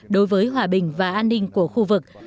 đối với hòa bình và an ninh của khu vực